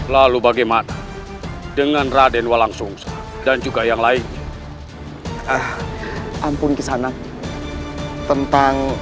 lalu bagaimana dengan raden walangsungsang dan juga yang lainnya ampun kisanak tentang